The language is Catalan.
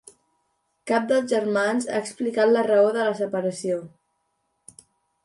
Cap dels germans ha explicat la raó de la separació.